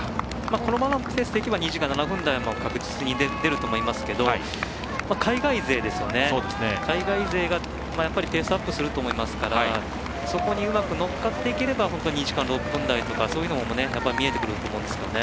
このままのペースでいけば２時間７分台は確実に出ると思いますけど海外勢がペースアップすると思いますから、そこにうまく乗っかっていければ２時間６分台も見えてくると思うんですけどね。